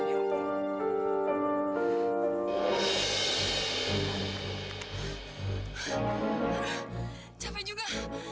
aduh capek juga